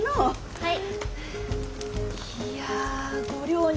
はい。